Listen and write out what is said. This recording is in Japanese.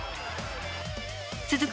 続く